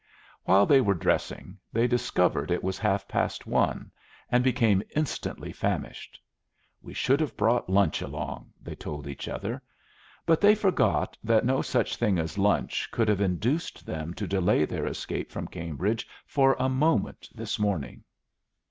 While they were dressing they discovered it was half past one, and became instantly famished. "We should have brought lunch along," they told each other. But they forgot that no such thing as lunch could have induced them to delay their escape from Cambridge for a moment this morning.